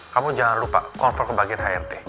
kamu jangan lupa konfer ke bagian hrd